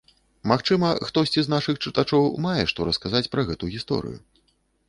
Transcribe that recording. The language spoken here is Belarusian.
Магчыма, хтосьці з нашых чытачоў мае што расказаць пра гэту гісторыю.